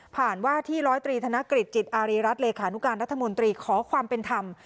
ว่าที่ร้อยตรีธนกฤษจิตอารีรัฐเลขานุการรัฐมนตรีขอความเป็นธรรม